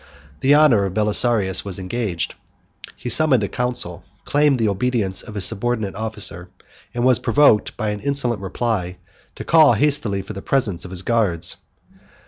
The honor of Belisarius was engaged; he summoned a council; claimed the obedience of his subordinate officer; and was provoked, by an insolent reply, to call hastily for the presence of his guards.